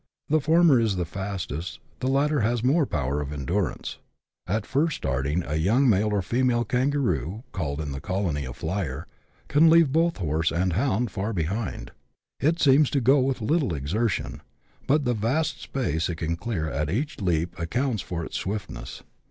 The former is the fastest, the latter has more power of endurance. At first starting, a young male or female kangaroo, called in the colony " a flyer," can leave both horse and hound far behind. It seems to go with little exertion, but the vast space it can clear at each leap accounts for* its swiftness.